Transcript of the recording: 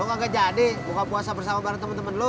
lu gak jadi buka puasa bersama barang kebutuhan lu